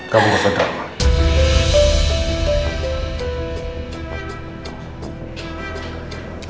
kamu gak peduli